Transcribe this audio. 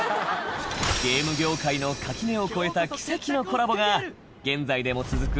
ゲーム業界の垣根を越えた奇跡のコラボが現在でも続く